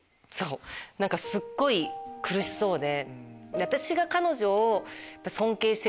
何かすっごい苦しそうで。